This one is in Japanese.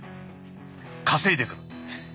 稼いでくる。